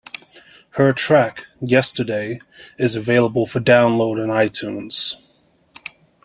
Her track, "Yesterday", is available for download on iTunes.